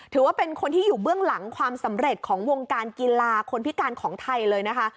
ถือว่าเป็นคนที่อยู่เบื้องหลังความสำเร็จของวงการกีฬาคนพิการของไทยเลยนะคะ